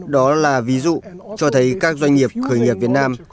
đó là ví dụ cho thấy các doanh nghiệp khởi nghiệp việt nam